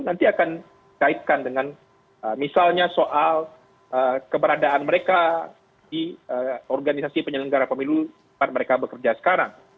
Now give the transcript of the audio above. nanti akan dikaitkan dengan misalnya soal keberadaan mereka di organisasi penyelenggara pemilu tempat mereka bekerja sekarang